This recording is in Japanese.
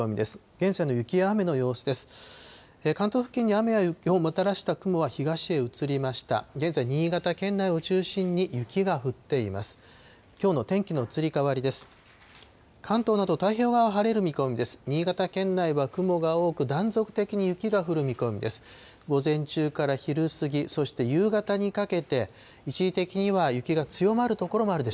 現在、新潟県内を中心に雪が降っています。